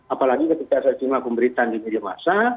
apalagi ketika saya simak pemberitaan di media massa